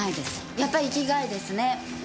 やっぱり生きがいですね。